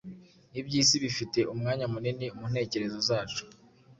Iby’isi bifite umwanya munini mu ntekerezo zacu